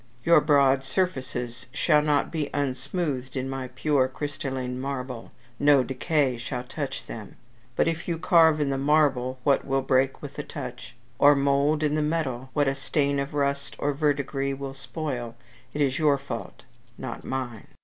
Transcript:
Your broad surfaces shall not be unsmoothed in my pure crystalline marble no decay shall touch them. But if you carve in the marble what will break with a touch, or mould in the metal what a stain of rust or verdigris will spoil, it is your fault not mine."